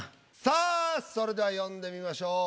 さあそれでは呼んでみましょう。